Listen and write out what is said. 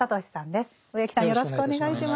植木さんよろしくお願いします。